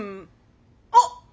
あっ